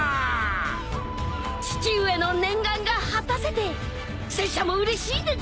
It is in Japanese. ［父上の念願が果たせて拙者もうれしいでござる！］